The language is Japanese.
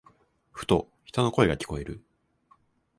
ふと、人の声が聞こえる。